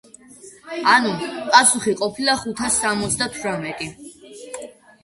ანუ, პასუხი ყოფილა ხუთას სამოცდათვრამეტი.